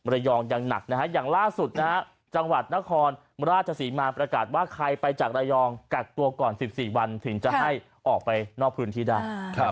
ระยองยังหนักนะฮะอย่างล่าสุดนะฮะจังหวัดนครราชศรีมาประกาศว่าใครไปจากระยองกักตัวก่อน๑๔วันถึงจะให้ออกไปนอกพื้นที่ได้